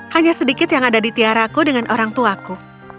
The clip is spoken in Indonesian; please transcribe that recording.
hanya sedikit yang ada di tiaraku dengan orang tuaku